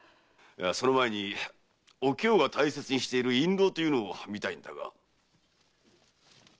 その前にお京が大切にしている印籠というのを見たいんだが。